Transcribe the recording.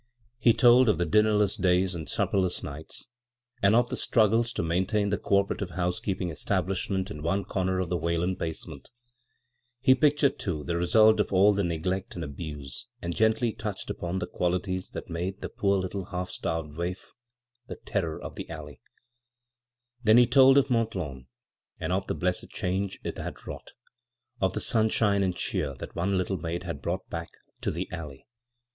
He told of the dinnerless days and supperless nights, and of the struggles to maintain the cooperative housekeeping establishment in one comer of the Whalen basement He pictured, too, the result of all the neglect and abuse, and gently touched upon the qualities that made the poor litde half starved waif the " terror of the Alley," Then he told of Mont Lawn and of the blessed change it had wrought ; of the sunshine and cheer that one little maid had brought back to " *he Alley."